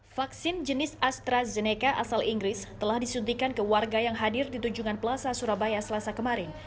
vaksin jenis astrazeneca asal inggris telah disuntikan ke warga yang hadir di tunjungan plaza surabaya selasa kemarin